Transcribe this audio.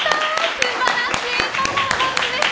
素晴らしいパフォーマンスでした。